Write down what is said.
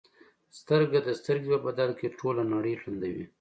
سترګه د سترګې په بدل کې ټوله نړۍ ړندوي.